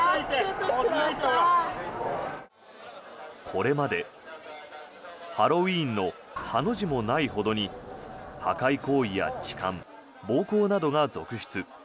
これまで、ハロウィーンの「ハ」の字もないほどに破壊行為や痴漢暴行などが続出。